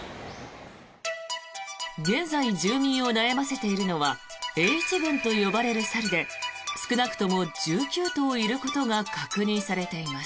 現在、住民を悩ませているのはＨ群と呼ばれる猿で少なくとも１９頭いることが確認されています。